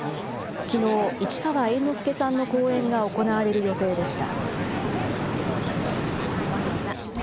きのう、市川猿之助さんの公演が行われる予定でした。